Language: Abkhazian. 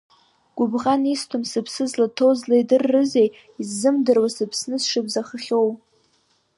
Гәыбӷан исҭом, сыԥсы злаҭоу злеидыррызеи, иззымдыруа сыԥсны сшыбзахахьоу.